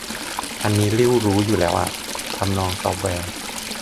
อันนี้ลิ่วรู้อยู่แล้วอ่ะ ทำนองซอฟต์แวร์